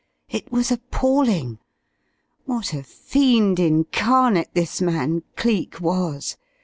It was appalling! What a fiend incarnate this man Cleek was!